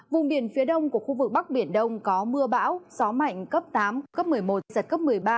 vùng biển phía đông của khu vực bắc biển đông có mưa bão gió mạnh cấp tám cấp một mươi một giật cấp một mươi ba